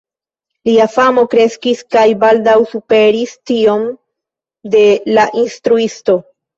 Lia famo kreskis kaj baldaŭ superis tion de lia instruisto.